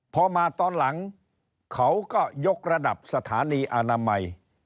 พอมาตอนหลังเขาก็ยกระดับสถานีอนามัย